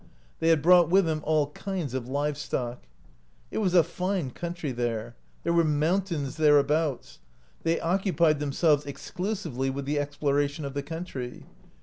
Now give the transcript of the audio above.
They had brought with them all kinds of live stock. It was a fine country there. There were mountains thereabouts. They occupied themselves exclusively with the exploration of the country.